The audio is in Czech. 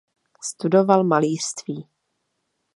Studoval malířství.